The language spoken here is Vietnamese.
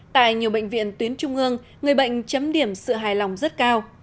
tại nhiều bệnh viện tuyến trung ương người bệnh chấm điểm sự hài lòng rất cao